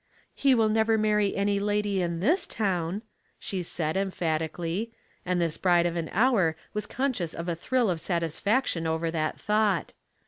" He will never marry any lady in this town," she said, emphatically ; and this bride of an hour was conscious of a thrill of satisfac tion over that thought.